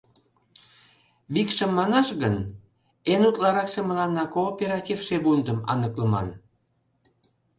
Викшым манаш гын, эн утларакше мыланна кооператив шийвундым аныклыман.